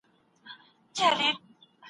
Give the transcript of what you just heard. مواد په منطقي ډول سره منظم سول.